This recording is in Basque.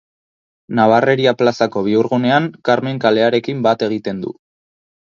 Nabarreria plazako bihurgunean Karmen kalearekin bat egiten du.